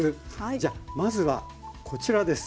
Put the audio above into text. じゃあまずはこちらです。